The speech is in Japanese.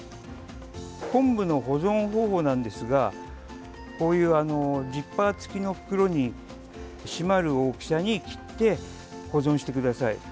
昆布の保存方法なんですがこういうジッパー付きの袋に閉まる大きさに切って保存してください。